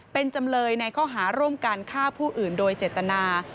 เป็นจำเลยในข้อหาร่วมการฆ่าผู้อื่นโดยเจตนา